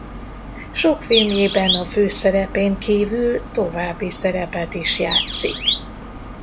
Sok filmjében a fő szerepén kívül további szerepet is játszik.